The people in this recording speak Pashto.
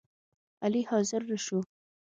علي حاضر نشو